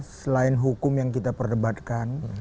selain hukum yang kita perdebatkan